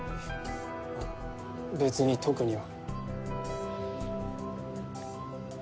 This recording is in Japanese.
別に特には。